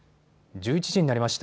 １１時になりました。